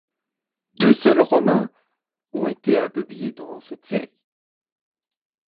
Deux romans seulement ont été publiés dans cette série.